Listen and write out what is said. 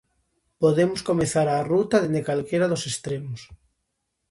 Podemos comezar a ruta dende calquera dos extremos.